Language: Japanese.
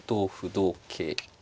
同桂